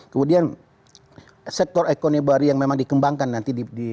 kemudian sektor ekonomi baru yang memang dikembangkan nanti